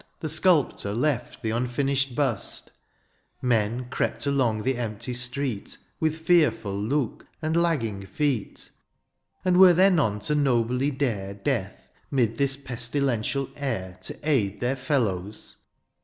The sculptor left the unfinished bust ; Men crept along the empty street, With fearful look and lagging feet. And were there none to nobly dare Death, ^mid this pestilential air, To aid their fellows